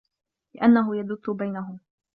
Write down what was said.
لِأَنَّهُ يَدُثُّ بَيْنَهُمْ